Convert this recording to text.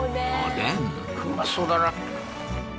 うまそうだな。